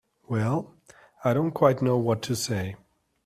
Well—I don't quite know what to say.